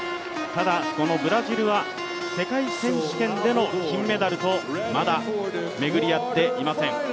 ただ、このブラジルは世界選手権での金メダルとまだ巡り会っていません。